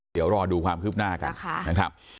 เดี๋ยวรอดูความคืบหน้ากันนะครับ